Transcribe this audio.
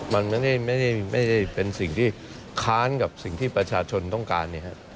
มันไม่ได้เป็นสิ่งที่ค้านกับสิ่งที่ประชาชนต้องการ